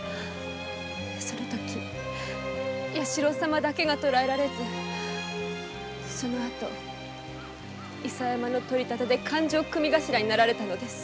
その時弥四郎様だけが捕えられずその後伊佐山の取り立てで勘定組頭になられたのです。